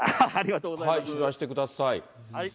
取材してください。